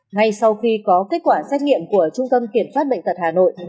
ngay sau khi có kết quả xét nghiệm của trung tâm kiểm soát bệnh tật hà nội